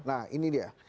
nah ini dia